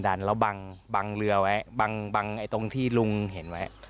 ดันแล้วบังเรือไว้บังตรงที่ลุงเห็นไว้